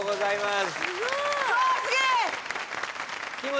すげえ！